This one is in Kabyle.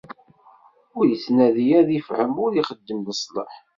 Ur ittnadi ad ifhem, ur ixeddem leslaḥ.